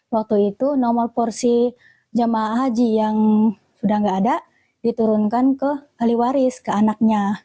waktu itu nomor porsi jemaah haji yang sudah tidak ada diturunkan ke ahli waris ke anaknya